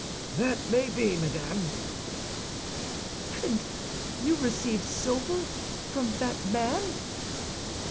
"That may be, madame!" "And you receive silver from that man?"